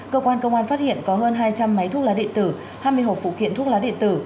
cơ quan công an phát hiện có hơn hai trăm linh máy thuốc lá điện tử hai mươi hộp phụ kiện thuốc lá điện tử